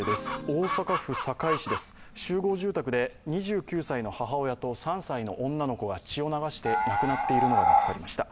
大阪府堺市で集合住宅で２９歳の母親と３歳の女の子が血を流して亡くなっているのが見つかりました。